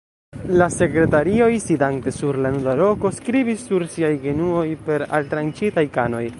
La sekretarioj, sidante sur la nuda roko, skribis sur siaj genuoj per altranĉitaj kanoj.